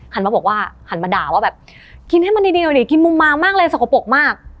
มาบอกว่าหันมาด่าว่าแบบกินให้มันดีหน่อยดิกินมุมมามากเลยสกปรกมาก